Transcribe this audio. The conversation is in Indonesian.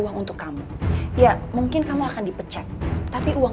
kamu kan yang lakukan itu kan